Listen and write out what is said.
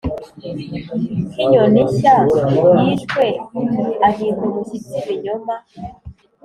nkinyoni nshya yishwe ahinda umushyitsi ibinyoma.